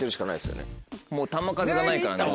もう弾数がないからね。